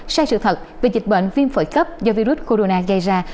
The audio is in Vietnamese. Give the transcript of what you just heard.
sai sự thật về dịch bệnh viêm phổi cấp do virus corona gây ra